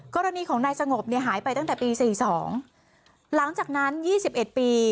กรณีของนายสงบเนี่ยหายไปตั้งแต่ปีสี่สองหลังจากนั้นยี่สิบเอ็ดปี